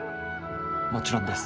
もちろんです。